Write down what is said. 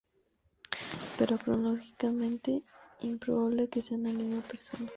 Pero es cronológicamente improbable que sean la misma persona.